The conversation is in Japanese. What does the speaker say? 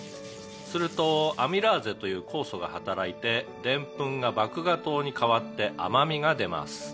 「するとアミラーゼという酵素が働いてでんぷんが麦芽糖に変わって甘味が出ます」